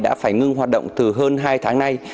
đã phải ngưng hoạt động từ hơn hai tháng nay